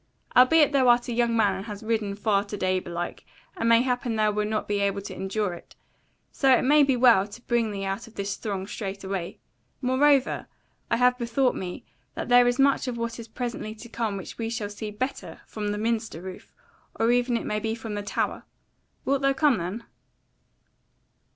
Albeit thou art a young man and hast ridden far to day belike, and mayhappen thou wilt not be able to endure it: so it may be well to bring thee out of this throng straightway. Moreover I have bethought me, that there is much of what is presently to come which we shall see better from the minster roof, or even it may be from the tower: wilt thou come then?"